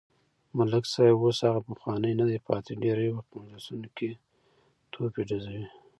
ملک صاحب اوس هغه پخوانی ندی پاتې، ډېری وخت په مجلسونو کې توپې ډزوي.